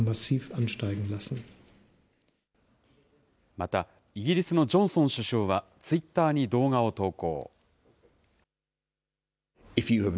また、イギリスのジョンソン首相はツイッターに動画を投稿。